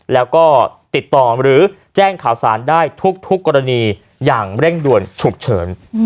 แล้วก็ติดต่อหรือแจ้งข่าวสารได้ทุกกรณีอย่างเร่งด่วนฉุกเฉิน